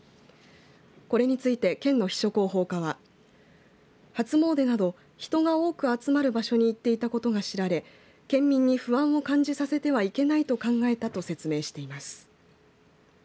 これについて県の秘書広報課は初詣など人が多く集まる場所に行っていたことが知られ県民に不安を感じさせてはいけないと考えたと説明しています。